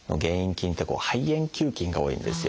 菌って肺炎球菌が多いんですよ。